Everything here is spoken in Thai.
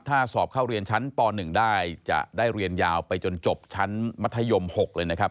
ถ้าสอบเข้าเรียนชั้นป๑ได้จะได้เรียนยาวไปจนจบชั้นมัธยม๖เลยนะครับ